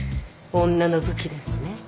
女の武器でもね。